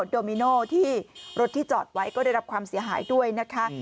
โดมิโนที่รถที่จอดไว้ก็ได้รับความเสียหายด้วยนะคะ